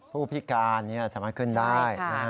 ผู้พิการสามารถขึ้นได้